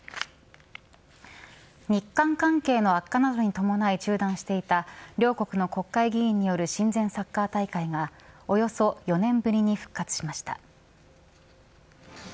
日韓関係の悪化などに伴い中断していた両国の国会議員による親善サッカー大会がおよそ４年ぶりに復活しました。